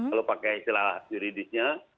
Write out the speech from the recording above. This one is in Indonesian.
kalau pakai istilah juridisnya